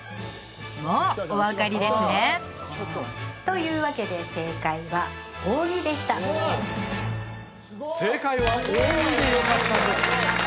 もうお分かりですねというわけで正解は「扇」でした正解は「扇」でよかったんです